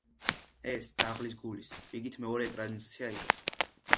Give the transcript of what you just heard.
ეს „ძაღლის გულის“ რიგით მეორე ეკრანიზაცია იყო.